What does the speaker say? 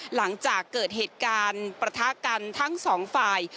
หลังจากเกิดเหตุการณ์ประทะกันทั้งสองฝ่าย